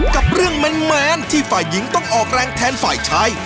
กับเรื่องแมนที่ฝ่ายหญิงต้องออกแรงแทนฝ่ายชาย